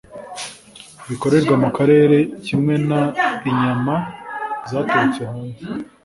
bikorerwa mu karere kimwe n inyama zaturutse hanze